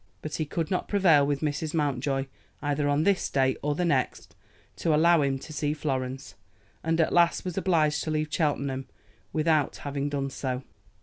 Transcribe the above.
But he could not prevail with Mrs. Mountjoy either on this day or the next to allow him to see Florence, and at last was obliged to leave Cheltenham without having done so.